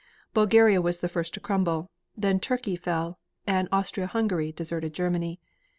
Bulgaria was first to crumble, then Turkey fell, and Austria Hungary deserted Germany.